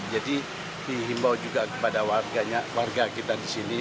jadi dihimbau juga kepada warga kita disini